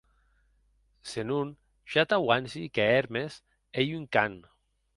Se non, ja t'auanci que Hermes ei un can.